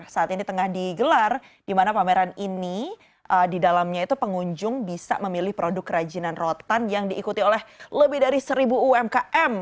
saat ini tengah digelar di mana pameran ini di dalamnya itu pengunjung bisa memilih produk kerajinan rotan yang diikuti oleh lebih dari seribu umkm